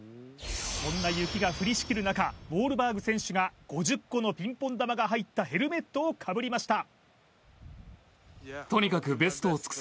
こんな雪が降りしきる中ウォールバーグ選手が５０個のピンポン球が入ったヘルメットをかぶりました